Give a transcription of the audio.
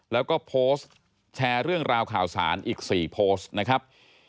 แล้วก็โพสต์แชร์เรื่องราวข่าวสารอีก๔โพสต์นะครับ